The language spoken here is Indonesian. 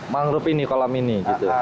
manggrup ini kolam ini